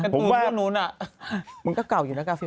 ผมว่ามันก็เก่าอยู่นะกาฟิลล์